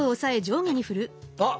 あっ！